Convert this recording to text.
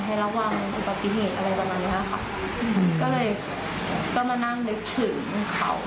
ถ้าเป็นโจรสินสักทำไมถึงเขา